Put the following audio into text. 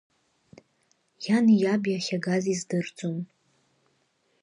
Иани иаби ахьагаз издырӡом.